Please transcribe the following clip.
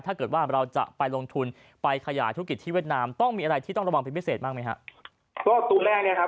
ถ้าเกิดว่าเราจะไปลงทุนไปขยายธุรกิจที่เวียดนามต้องมีอะไรที่ต้องระวังเป็นพิเศษมากไหมครับ